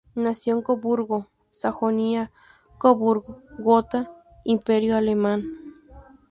Nació en Coburgo, Sajonia-Coburgo-Gotha, Imperio alemán.